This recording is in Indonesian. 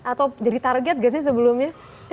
atau jadi target gak sih sebelumnya